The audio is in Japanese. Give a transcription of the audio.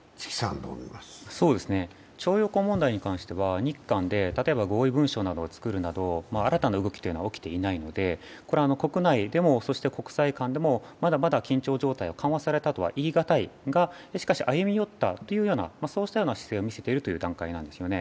徴用工問題に関しては日韓で、例えば合意文書なんかを作るなど新たな動きは起きていないので、これ、国内でも国際間でもまだまだ緊張関係が緩和されたとは言い難いが、しかし歩み寄った、そうしたような姿勢を見せているという段階なんですよね。